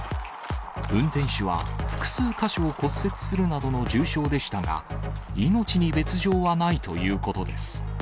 運転手は、複数箇所を骨折するなどの重傷でしたが、命に別状はないということです。